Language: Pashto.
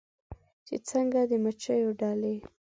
چې څنګه د مچېو ډلې